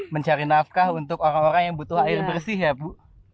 mencari nafkah untuk orang orang yang butuh air bersih ya bu